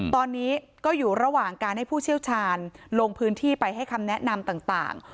ตอนนี้ก็อยู่ระหว่างการให้ผู้เชี่ยวชาญลงพื้นที่ไปให้คำแนะนำต่าง